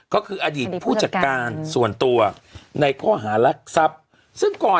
ก็คืออดีตผู้จัดการส่วนตัวในข้อหารักทรัพย์ซึ่งก่อน